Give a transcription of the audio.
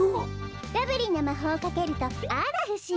ラブリーなまほうをかけるとあらふしぎ。